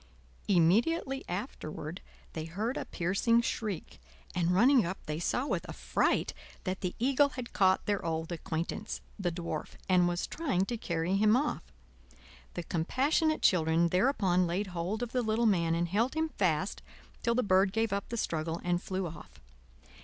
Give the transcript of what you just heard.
Immediately afterward they heard a piercing shriek, and running up they saw with affright that the eagle had caught their old acquaintance. the Dwarf, and was trying to carry him off. The compassionate children thereupon laid hold of the little man, and held him fast till the bird gave up the struggle and flew off.